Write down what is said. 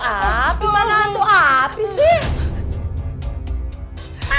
aduh api mana hantu api sih